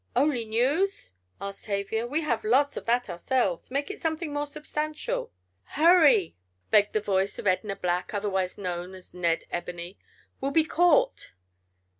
"Only news?" asked Tavia. "We have lots of that ourselves. Make it something more substantial." "Hurry!" begged the voice of Edna Black, otherwise known as Ned Ebony. "We'll be caught!"